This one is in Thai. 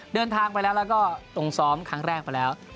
เดินทางไปแล้วแล้วก็ตรงซ้อมครั้งแรกไปแล้ว